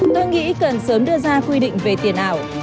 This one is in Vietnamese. tôi nghĩ cần sớm đưa ra quy định về tiền ảo